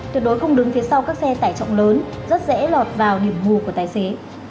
tuyệt đối không đứng phía sau các xe tải trọng lớn rất dễ lọt vào điểm mù của tài xế